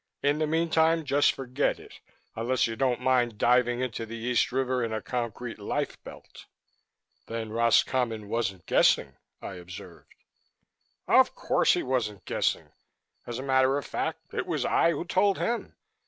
In the meantime, just forget it, unless you don't mind diving into the East River in a concrete life belt." "Then Roscommon wasn't guessing," I observed. "Of course he wasn't guessing. As a matter of fact, it was I who told him.